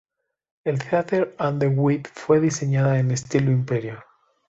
El Theater an der Wien fue diseñada en estilo Imperio.